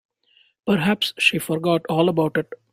Perhaps she forgot all about it.